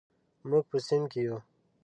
موږ په صنف کې یو.